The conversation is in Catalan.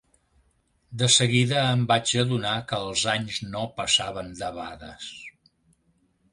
De seguida em vaig adonar que els anys no passaven debades.